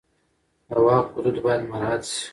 د واک حدود باید مراعت شي.